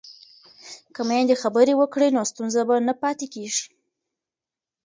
که میندې خبرې وکړي نو ستونزه به نه پاتې کېږي.